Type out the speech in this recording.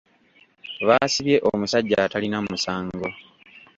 Baasibye omusajja atalina musango.